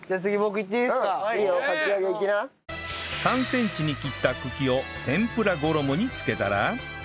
３センチに切った茎を天ぷら衣につけたら